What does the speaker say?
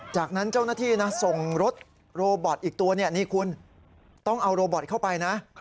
จากนั้นเจ้าหน้าที่นะส่งรถโรบอตอีกตัวนี่คุณต้องเอาโรบอตเข้าไปนะ